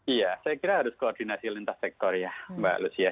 iya saya kira harus koordinasi lintas sektor ya mbak lucia